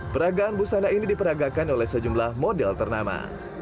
peragaan busana ini diperagakan oleh sejumlah model ternama